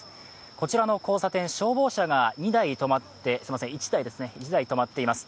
こちらの交差点、消防車が１台止まっています。